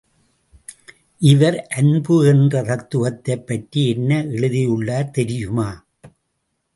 இவர், அன்பு என்ற தத்துவத்தைப் பற்றி என்ன எழுதியுள்ளார் தெரியுமா?